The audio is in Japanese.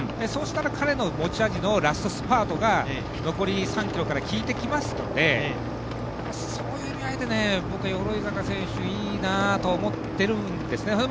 そうしたら彼の持ち味のラストスパートが残り３ｋｍからきいてきますのでそういう意味合いで鎧坂選手いいなと思ってるんですね。